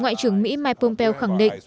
ngoại trưởng mỹ mike pompeo khẳng định